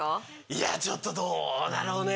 いやちょっとどうだろうね。